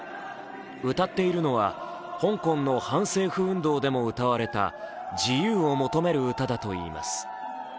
歌っているのは、香港の反政府運動でも歌われた自由を求める歌だといいます。